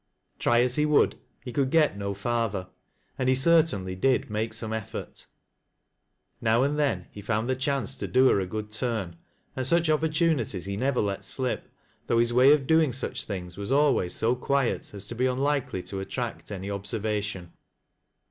Ti y as he would, he could get no farther ;— and he certainly did make some effort. Now and then lie found the chance to do her a good turn, and gucb jpportinities he never let slip, though his way of doi^g inch thirgs was always so quiet as to be unlikely i o attract any observation.